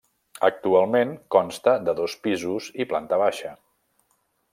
Actualment consta de dos pisos i planta baixa.